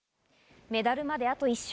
メダルまであと１勝。